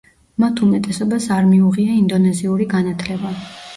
მათ უმეტესობას არ მიუღია ინდონეზიური განათლება.